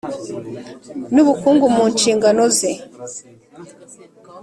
N ubukungu mu nshingano ze